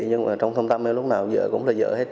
nhưng mà trong thông tâm em lúc nào vợ cũng là vợ hết